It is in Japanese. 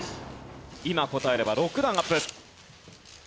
今答えれば６段アップ。